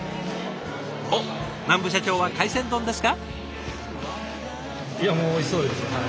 おっ南部社長は海鮮丼ですか。